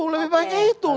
lebih baiknya itu